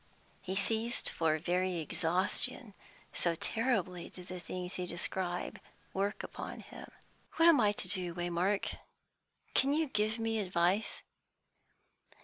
He ceased for very exhaustion, so terribly did the things he described work upon him. "What am I to do, Waymark? Can you give me advice?"